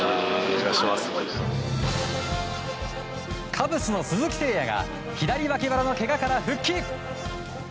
カブスの鈴木誠也が左脇腹のけがから復帰。